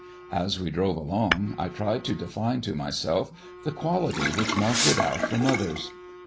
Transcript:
As we drove along, I tried to define to myself the quality which marked it out from others.